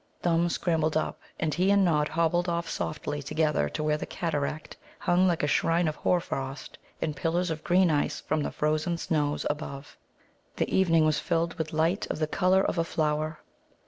Thumb scrambled up, and he and Nod hobbled off softly together to where the cataract hung like a shrine of hoarfrost in pillars of green ice from the frozen snows above. The evening was filled with light of the colour of a flower.